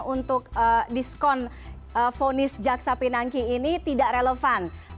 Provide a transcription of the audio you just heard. untuk diskon fonis jaksa pinangki ini tidak relevan